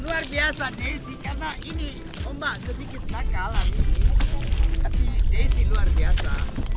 luar biasa desy karena ini ombak sedikit kagak alami tapi desy luar biasa